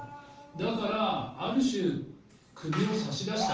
だからある種、首を差し出した。